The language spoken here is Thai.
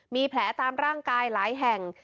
มีแผลตามร่างกายหลายแห่ง